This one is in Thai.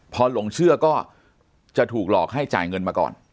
พอหลงเชื่อก็จะถูกหลอกให้จ่ายเงินมาก่อน